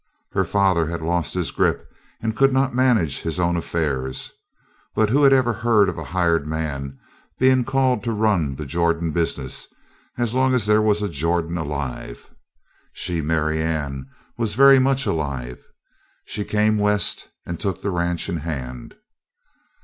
Her father had lost his grip and could not manage his own affairs, but who had ever heard of a hired man being called to run the Jordan business as long as there was a Jordan alive? She, Marianne, was very much alive. She came West and took the ranch in hand.